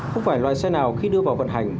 không phải loại xe nào khi đưa vào vận hành